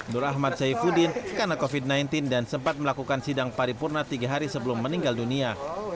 nur ahmad saifuddin karena covid sembilan belas dan sempat melakukan sidang paripurna tiga hari sebelum meninggal dunia